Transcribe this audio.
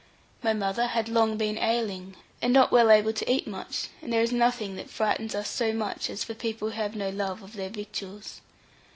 My mother had long been ailing, and not well able to eat much; and there is nothing that frightens us so much as for people to have no love of their victuals.